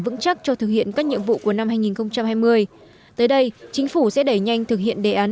vững chắc cho thực hiện các nhiệm vụ của năm hai nghìn hai mươi tới đây chính phủ sẽ đẩy nhanh thực hiện đề án